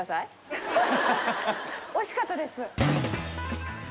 惜しかったです。